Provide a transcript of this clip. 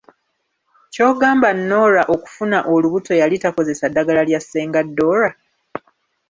Ky’ogamba Nora okufuna olubuto yali takozesa ddagala lya Ssenga Dora?